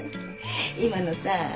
今のさ